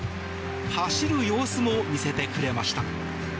走る様子も見せてくれました。